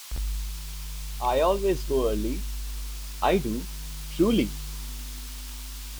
I always go early, — I do, truly!